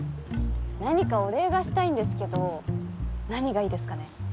何かお礼がしたいんですけど何がいいですかね？